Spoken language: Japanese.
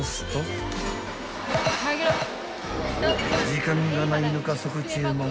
［時間がないのか即注文］